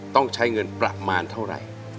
ต้องใช้เงินประมาณเท่าไหร่